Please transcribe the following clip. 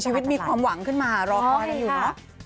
ชีวิตมีความหวังขึ้นมารอพออยู่